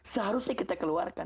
seharusnya kita keluarkan